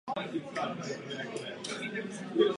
Tato rozprava je pro nás všechny velmi důležitá.